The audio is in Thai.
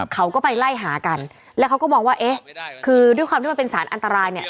เขาก็ไปไล่หากันแล้วเขาก็มองว่าเอ๊ะคือด้วยความที่มันเป็นสารอันตรายเนี่ย